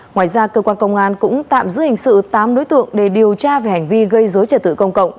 ngoài ra cơ quan công an cũng tạm giữ hình sự tám đối tượng để điều tra về hành vi gây dối trật tự công cộng